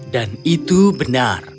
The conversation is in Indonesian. dan itu benar